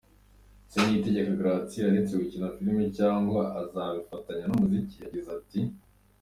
Ese Niyitegeka Gratien aretse gukina filime cyangwa azabifatanya n'umuziki? Yagize ati: .